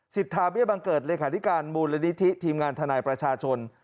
สิทธาเบี้ยบังเกิดเลขาธิการมูลนิธิทีมงานทนายประชาชน